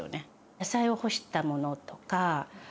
野菜を干したものとか。